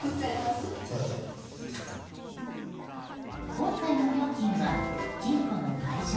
今回の料金は、金庫の解錠